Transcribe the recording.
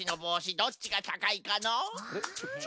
どっちがたかいかな？